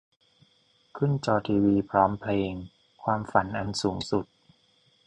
ขึ้นจอทีวีพร้อมเพลง "ความฝันอันสูงสุด"